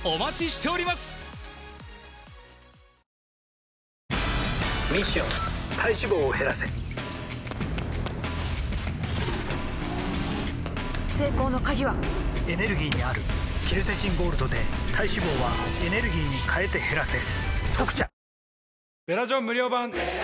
ミッション体脂肪を減らせ成功の鍵はエネルギーにあるケルセチンゴールドで体脂肪はエネルギーに変えて減らせ「特茶」